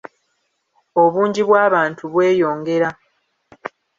obungi bw’abantu bweyongera